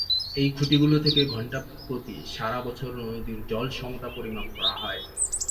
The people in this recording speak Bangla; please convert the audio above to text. এই খুঁটিগুলি থেকে ঘন্টাপ্রতি সারা বছর নদীর জল সমতা পরিমাপ করা হয়।